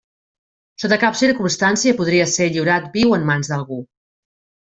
Sota cap circumstància podria ser lliurat viu en mans d'algú.